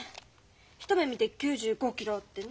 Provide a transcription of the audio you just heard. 一目見て９５キロってね。